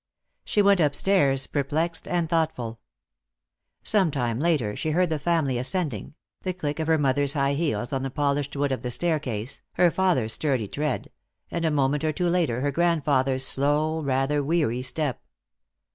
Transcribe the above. She went upstairs, perplexed and thoughtful. Some time later she heard the family ascending, the click of her mother's high heels on the polished wood of the staircase, her father's sturdy tread, and a moment or two later her grandfather's slow, rather weary step.